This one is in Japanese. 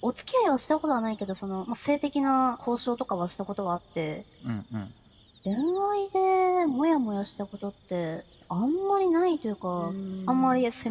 おつきあいをしたことはないけど性的な交渉とかはしたことがあって恋愛でモヤモヤしたことってあんまりないというかあんまりすいません